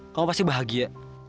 kamu pasti bahagia